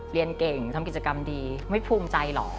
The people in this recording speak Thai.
เรียนเก่งทำกิจกรรมดีไม่ภูมิใจเหรอ